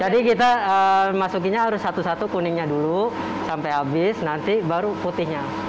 jadi kita masukinnya harus satu satu kuningnya dulu sampai habis nanti baru putihnya